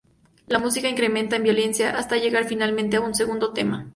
La música incrementa en violencia hasta llegar finalmente a un segundo tema.